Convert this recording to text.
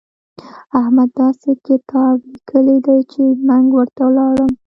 احمد داسې کتاب ليکلی دی چې منګ ورته ولاړم.